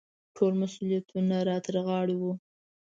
ټول مسوولیتونه را ترغاړې وو.